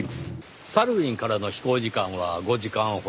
サルウィンからの飛行時間は５時間ほど。